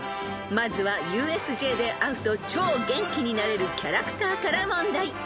［まずはＵＳＪで会うと超元気になれるキャラクターから問題］